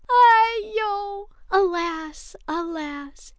Aiyo! (Alas! Alas!)